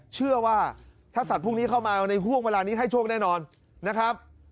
เชื่อว่าถ้าสัตว์พวกนี้เข้ามาในห่วงเวลานี้ให้โชคแน่นอนนะครับ